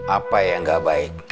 apa yang enggak baik